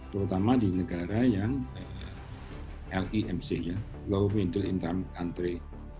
terutama di negara yang lemc low mental interim country